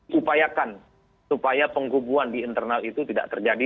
diupayakan supaya pengkubuan di internal itu tidak terjadi